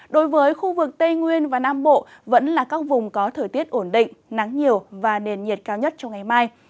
đối với khu vực tây nguyên và nam bộ vẫn là các vùng có thời tiết ổn định nắng nhiều và nền nhiệt cao nhất trong ngày mai